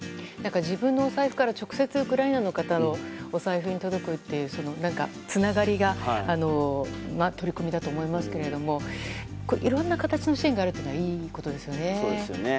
自分のお財布から直接ウクライナの方のお財布に届くというつながりが取り組みだと思いますがいろんな形の支援があるのはいいことですよね。